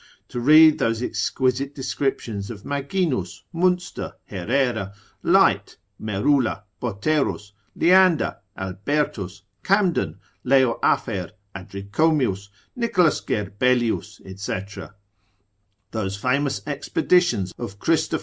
To read those exquisite descriptions of Maginus, Munster, Herrera, Laet, Merula, Boterus, Leander, Albertus, Camden, Leo Afer, Adricomius, Nic. Gerbelius, &c.? Those famous expeditions of Christoph.